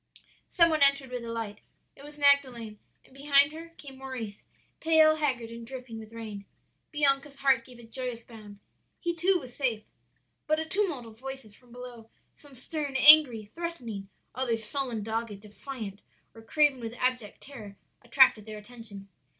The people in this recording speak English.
"Some one entered with a light. It was Magdalen, and behind her came Maurice, pale, haggard, and dripping with rain. "Bianca's heart gave a joyous bound. He too was safe. "But a tumult of voices from below some stern, angry, threatening, others sullen, dogged, defiant, or craven with abject terror attracted their attention.